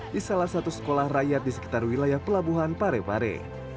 di salah satu sekolah rakyat di sekitar wilayah pelabuhan parepare